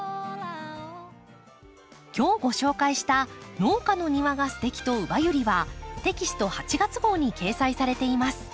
今日ご紹介した「農家の庭がステキ！」と「ウバユリ」はテキスト８月号に掲載されています。